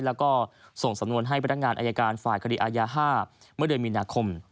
แล้วก็ส่งสำนวนให้พนักงานอายการฝ่ายคดีอายา๕เมื่อเดือนมีนาคม